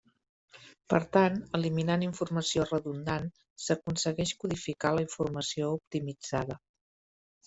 Per tan eliminant informació redundant s'aconsegueix codificar la informació optimitzada.